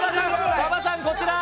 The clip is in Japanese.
馬場さん、こちら。